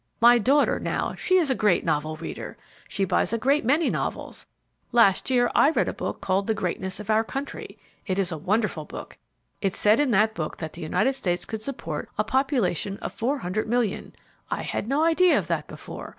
My daughter, now, she is a great novel reader. She buys a great many novels. Last year I read a book called "The Greatness of Our Country." It is a wonderful book. It said in that book that the United States could support a population of 400,000,000. I had no idea of that before.